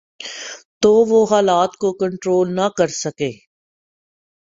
تو وہ حالات کو کنٹرول نہ کر سکیں۔